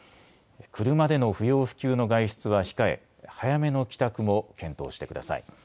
車での不要不急の外出は控え早めの帰宅も検討してください。